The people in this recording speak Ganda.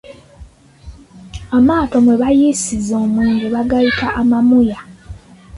Amaato mwe bayiisiza omwenge gayitibwa amamuya.